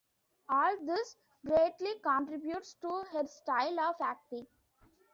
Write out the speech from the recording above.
All this greatly contributes to her style of acting.